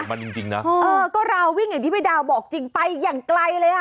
วิ่งอย่างที่ไปดาวบอกจริงไปอย่างไกลเลย